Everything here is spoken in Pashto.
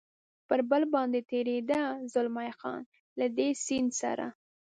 پر پل باندې تېرېده، زلمی خان: له دې سیند سره.